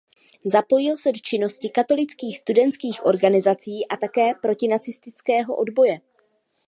Zapojil se do činnosti katolických studentských organizací a také protinacistického odboje.